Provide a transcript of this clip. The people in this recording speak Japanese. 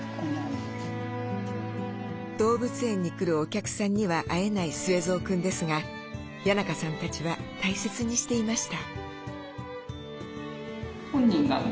動物園に来るお客さんには会えないスエゾウくんですが谷仲さんたちは大切にしていました。